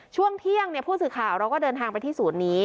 ช่วงเที่ยงผู้สื่อข่าวเราก็เดินทางไปที่ศูนย์นี้